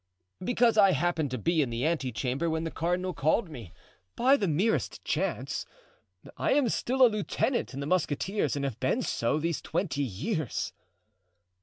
"Because I happened to be in the ante chamber when the cardinal called me, by the merest chance. I am still a lieutenant in the musketeers and have been so these twenty years."